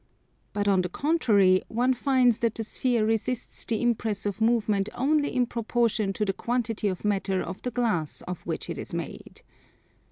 But on the contrary one finds that the sphere resists the impress of movement only in proportion to the quantity of matter of the glass of which it is made.